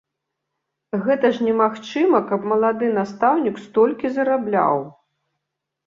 Гэта ж немагчыма, каб малады настаўнік столькі зарабляў!